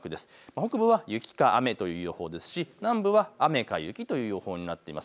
北部は雪か雨という予報ですし南部は雨か雪という予報になっています。